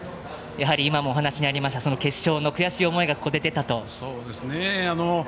やはり今もお話にありましたが決勝の悔しい思いがここで出たと。